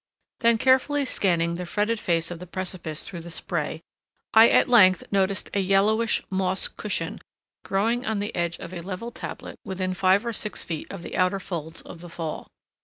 Then carefully scanning the fretted face of the precipice through the spray, I at length noticed a yellowish moss cushion, growing on the edge of a level tablet within five or six feet of the outer folds of the fall.